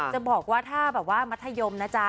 จะบอกว่าถ้าแบบว่ามัธยมนะจ๊ะ